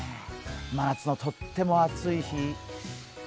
真夏のとっても暑い日。